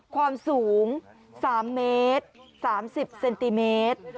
ความสูง๓เมตร๓๐เซนติเมตร